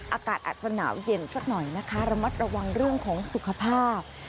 อากาศอาจจะหนาวเย็นสักหน่อยนะคะระมัดระวังเรื่องของสุขภาพ